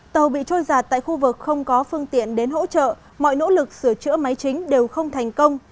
tàu bị trôi giạt tại khu vực không có phương tiện đến hỗ trợ mọi nỗ lực sửa chữa máy chính đều không thành công